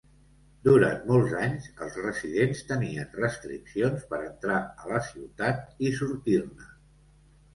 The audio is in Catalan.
Durant molts anys els residents tenien restriccions per entrar a la ciutat i sortir-ne.